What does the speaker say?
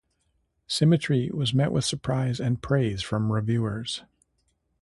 Symmetry was met with surprise and praise from reviewers.